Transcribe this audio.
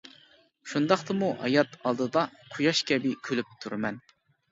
شۇنداقتىمۇ ھايات ئالدىدا، قۇياش كەبى كۈلۈپ تۇرىمەن.